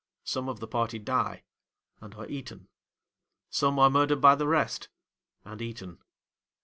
Some of the party die and are eaten; some are murdered by the rest and eaten.